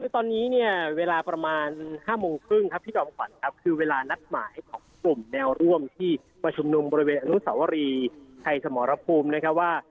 ตอนนี้เนี่ยเวลาประมาณ๕โมงครึ่งครับพี่จอมขวัญครับคือเวลานัดหมายของกลุ่มแนวร่วมที่ประชุมบริเวณอนุสาวรีไทยสมรภูมินะครับว่า